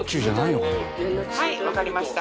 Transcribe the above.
はいわかりました。